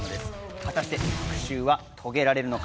果たして、復讐は遂げられるのか。